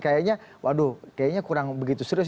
kayaknya waduh kayaknya kurang begitu serius